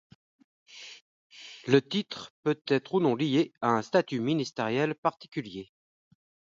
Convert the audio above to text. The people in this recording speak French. Le titre peut être ou non lié à un statut ministériel particulier.